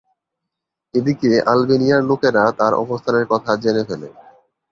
এদিকে আলবেনিয়ার লোকেরা তার অবস্থানের কথা জেনে ফেলে।